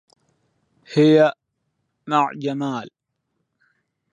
هي مع جمال.